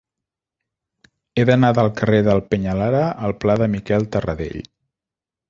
He d'anar del carrer del Peñalara al pla de Miquel Tarradell.